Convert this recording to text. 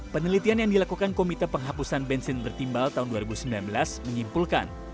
penelitian yang dilakukan komite penghapusan bensin bertimbal tahun dua ribu sembilan belas menyimpulkan